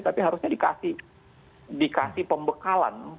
tapi harusnya dikasih pembekalan